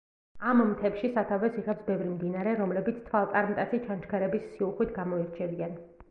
ამ მთებში სათავეს იღებს ბევრი მდინარე, რომლებიც თვალწარმტაცი ჩანჩქერების სიუხვით გამოირჩევიან.